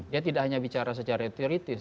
ya tidak hanya bicara secara teoritis